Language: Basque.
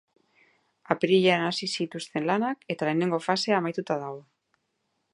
Apirilean hasi zituzten lanak, eta lehenengo fasea amaituta dago.